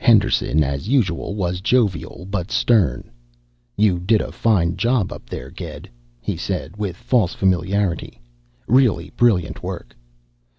Henderson, as usual, was jovial but stern. "You did a fine job up there, Ged," he said, with false familiarity. "Really brilliant work."